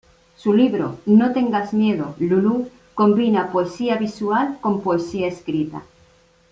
Su libro "No tengas miedo, Lulú" combina poesía visual con poesía escrita.